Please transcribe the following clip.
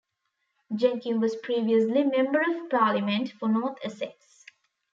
Jenkin was previously Member of Parliament for North Essex.